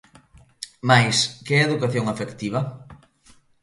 Mais, que é a educación afectiva?